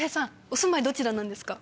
お住まいどちらなんですか？